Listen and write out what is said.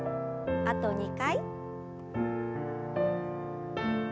あと２回。